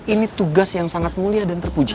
ini tugas yang sangat mulia dan terpuji